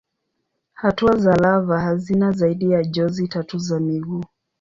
Hatua za lava hazina zaidi ya jozi tatu za miguu.